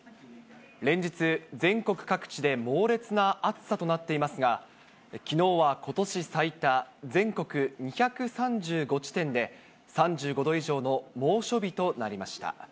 連日、全国各地で猛烈な暑さとなっていますが、きのうはことし最多、全国２３５地点で、３５度以上の猛暑日となりました。